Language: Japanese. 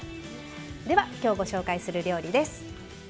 では今日ご紹介する料理です。